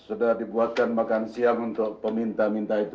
sudah dibuatkan makan siang untuk peminta minta itu